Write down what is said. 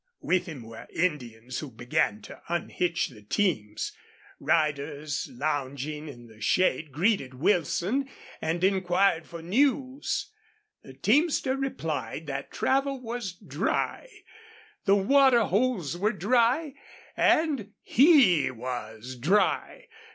With him were Indians who began to unhitch the teams. Riders lounging in the shade greeted Wilson and inquired for news. The teamster replied that travel was dry, the water holes were dry, and he was dry.